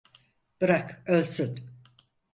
Bırak ölsün.